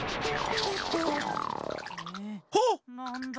あっ！